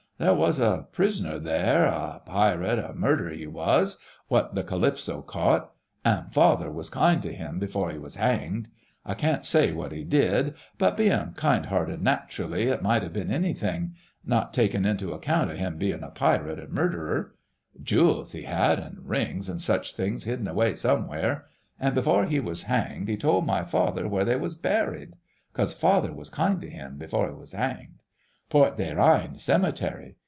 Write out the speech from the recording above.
There was a prisoner there, a pirate an' murderer he was, what the Calypso caught ... an' father was kind to him before he was hanged ... I can't say what he did, but bein' kind hearted naturally, it might have been anything ... not takin' into account of him being a pirate an' murderer. Jewels he had, an' rings an' such things hidden away somewhere; an' before he was hanged he told my father where they was buried, 'cos father was kind to him before he was hanged.... Port des Reines cemetery